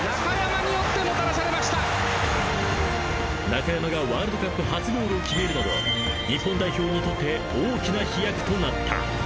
［中山がワールドカップ初ゴールを決めるなど日本代表にとって大きな飛躍となった］